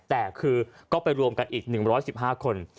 แต่คือก็ไปรวมกันอีก๑๑๕คน